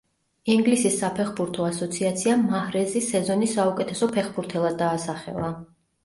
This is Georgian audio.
ინგლისის საფეხბურთო ასოციაციამ მაჰრეზი სეზონის საუკეთესო ფეხბურთელად დაასახელა.